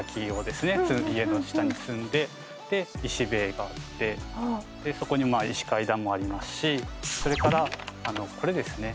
家の下に積んでで石塀があってでそこに石階段もありますしそれからこれですね